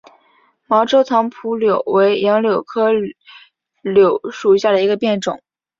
毛轴藏匐柳为杨柳科柳属下的一个变种。